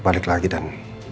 balik lagi dan